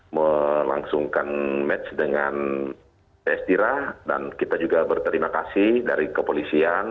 melangsungkan match dengan ps tira dan kita juga berterima kasih dari kepolisian